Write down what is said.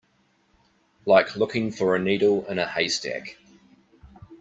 Like looking for a needle in a haystack.